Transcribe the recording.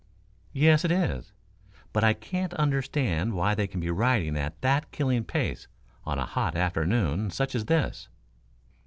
"Yes, it is. But I can't understand why they can be riding at that killing pace on a hot afternoon such as this."